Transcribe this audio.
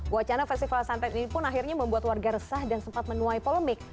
wacana festival santet ini pun akhirnya membuat warga resah dan sempat menuai polemik